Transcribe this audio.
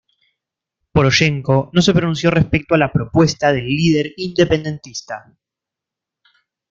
Poroshenko no se pronunció respecto a la propuesta del líder independentista.